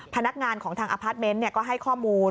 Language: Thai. พนักงานของทางอพาร์ทเมนต์ก็ให้ข้อมูล